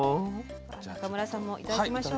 中村さんもいただきましょう。